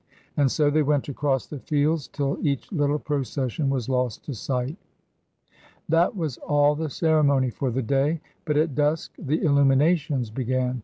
And so they went across the fields till each little procession was lost to sight. That was all the ceremony for the day, but at dusk the illuminations began.